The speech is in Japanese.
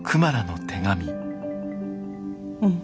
うん。